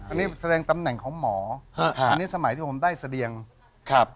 อันนี้แสดงตำแหน่งของหมอฮะอันนี้สมัยที่ผมได้เสดียงครับ